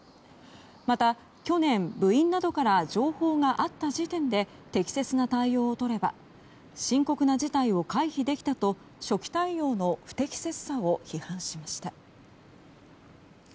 また、去年部員などから情報があった時点で適切な対応をとれば深刻な事態を回避できたと初期対応の不適切さを批判しました。